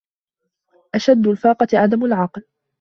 أشد الفاقة عدم العقل